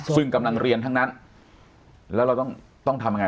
ซึ่งกำลังเรียนทั้งนั้นแล้วเราต้องทำยังไง